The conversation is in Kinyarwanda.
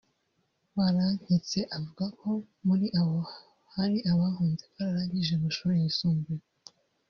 Barankitse avuga ko muri abo hari abahunze bararangije amashuri yisumbuye